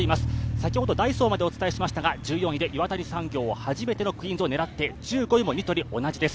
先ほどダイソーまでお伝えしましたが、１４位で岩谷産業初めての「クイーンズ駅伝」を狙っています。